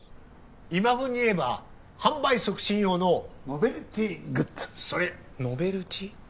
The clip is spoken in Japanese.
今風に言えば販売促進用のノベルティーグッズそれノベルティー？